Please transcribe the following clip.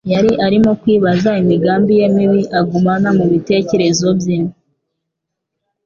yari arimo kwibaza imigambi ye mibi agumana mu bitekerezo bye